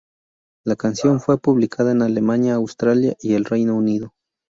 La canción fue publicada en Alemania, Australia y el Reino Unido.